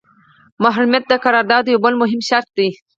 محرمیت د قرارداد یو بل مهم شرط دی.